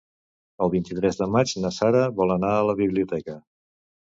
El vint-i-tres de maig na Sara vol anar a la biblioteca.